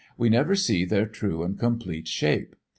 We never see their true and complete shape.